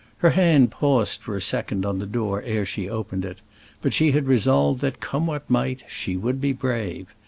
Her hand paused for a second on the door ere she opened it, but she had resolved that, come what might, she would be brave.